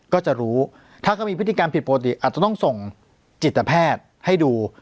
ก็จะรู้ถ้าเขามีพฤติกรรมผิดปกติอาจจะต้องส่งจิตแพทย์ให้ดู